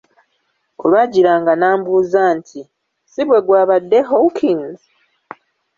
Olwagiranga n'ambuuza nti "Si bwe gwabadde Hawkins?